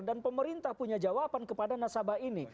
dan pemerintah punya jawaban kepada nasabah ini